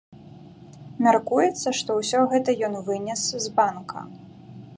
Мяркуецца, што ўсё гэта ён вынес з банка.